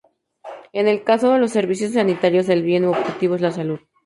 En el caso de los servicios sanitarios, el bien u objetivo es la salud.